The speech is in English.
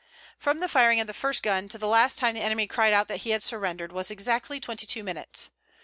From the firing of the first gun to the last time the enemy cried out that he had surrendered, was exactly twenty two minutes.